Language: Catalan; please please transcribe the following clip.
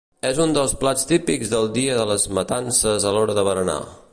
És un dels plats típics del dia de les matances a l'hora de berenar.